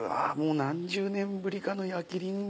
何十年ぶりかの焼きリンゴ。